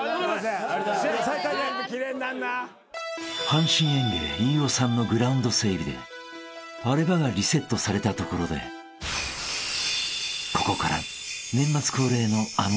［阪神園芸飯尾さんのグラウンド整備で荒れ場がリセットされたところでここから］